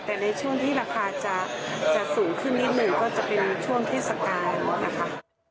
แต่ในช่วงที่ราคาจะสูงขึ้นนิดหนึ่งก็จะเป็นช่วงเทศกาลนะคะ